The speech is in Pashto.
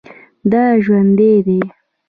دا ژوندی دی